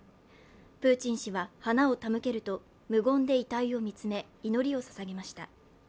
プーチン氏は花を手向けると無言で遺体を見つめ、祈りを捧げました。